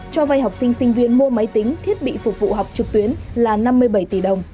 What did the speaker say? cho vay học sinh sinh viên mua máy tính thiết bị phục vụ học trực tuyến là năm mươi bảy tỷ đồng